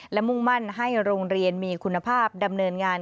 และมุ่งมั่นให้โรงเรียนมีคุณภาพดำเนินงาน